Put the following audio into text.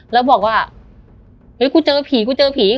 แล้วบอกว่าเฮ้ยกูเจอผีกูเจอผี